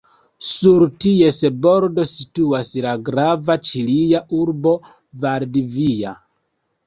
Sur ties bordo situas la grava ĉilia urbo Valdivia.